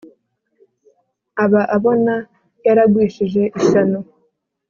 aba abona yaragwishije ishyano